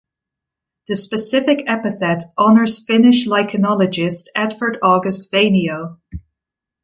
The specific epithet honours Finnish lichenologist Edvard August Vainio.